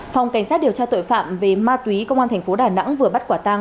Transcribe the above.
phòng cảnh sát điều tra tội phạm về ma túy công an thành phố đà nẵng vừa bắt quả tang